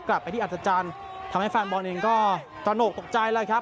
กลับไปที่อัศจรรย์ทำให้แฟนบอลเองก็ตระหนกตกใจแล้วครับ